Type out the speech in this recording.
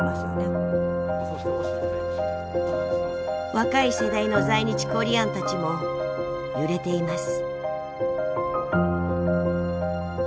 若い世代の在日コリアンたちも揺れています。